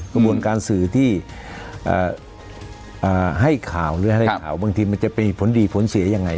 กระบวนการสื่อที่ให้ข่าวหรือให้ข่าวบางทีมันจะมีผลดีผลเสียยังไง